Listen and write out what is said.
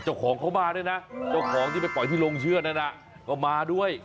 เจ้าของเขามาด้วยนะเจ้าของที่ไปปล่อยที่ลงเชื่อนั้นก็มาด้วย